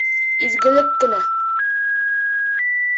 Изгелек кенә.